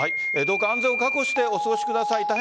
どうか安全を確保してお過ごしください。